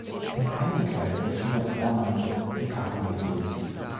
In einigen Quellen wird Schuberts Vorname als Sieghard angegeben.